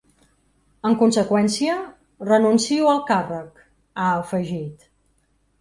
En conseqüència, renuncio al càrrec, ha afegit.